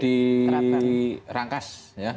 di rangkas ya